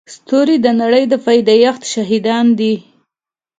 ستوري د نړۍ د پيدایښت شاهدان دي.